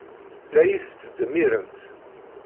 La iyi-tettdemmiremt.